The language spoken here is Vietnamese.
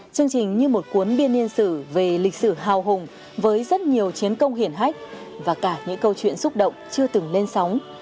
chương trình như một cuốn biên yên sử về lịch sử hào hùng với rất nhiều chiến công hiển hách và cả những câu chuyện xúc động chưa từng lên sóng